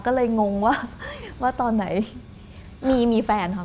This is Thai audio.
ก็เลยงงว่าว่าตอนไหนมีแฟนค่ะ